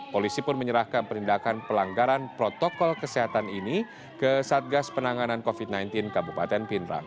polisi pun menyerahkan penindakan pelanggaran protokol kesehatan ini ke satgas penanganan covid sembilan belas kabupaten pindrang